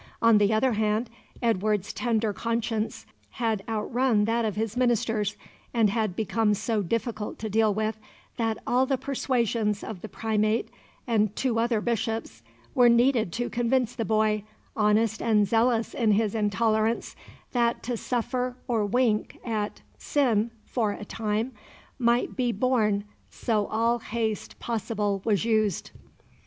On the other hand Edward's tender conscience had outrun that of his ministers, and had become so difficult to deal with that all the persuasions of the Primate and two other Bishops were needed to convince the boy, honest and zealous in his intolerance, that "to suffer or wink at [sin] for a time might be borne, so all haste possible was used."